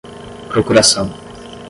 procuração